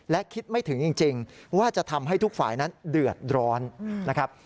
และคิดไม่ถึงจริงว่าจะทำให้ทุกฝ่ายนั้นเดือดร้อนนะครับ